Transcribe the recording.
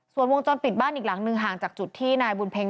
ส่วนวงจรปิดบ้านอีกหลังหนึ่งห่างจากจุดที่นายบุญเพ็ง